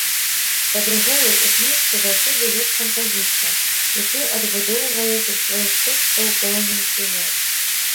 Па-другое, у кніжцы заўсёды ёсць кампазіцыя, і ты адбудоўваеш з сваіх тэкстаў пэўны сюжэт.